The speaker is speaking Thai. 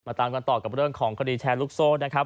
ตามกันต่อกับเรื่องของคดีแชร์ลูกโซ่นะครับ